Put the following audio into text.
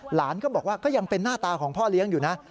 หลานก็บอกว่าก็ยังเป็นหน้าตาของพ่อเลี้ยงอยู่นะ